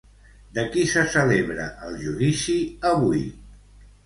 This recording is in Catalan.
De qui se celebra el judici avui?